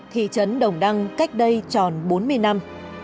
thị trấn đồng đăng cách đây tròn bốn mươi năm